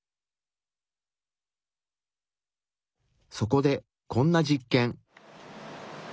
そこでこんな実験。